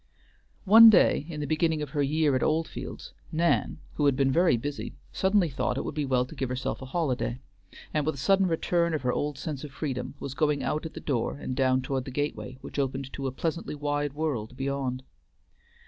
One day in the beginning of her year at Oldfields, Nan, who had been very busy, suddenly thought it would be well to give herself a holiday; and with a sudden return of her old sense of freedom was going out at the door and down toward the gateway, which opened to a pleasantly wide world beyond.